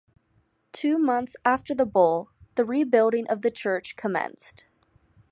Two months after the bull, the rebuilding of the church commenced.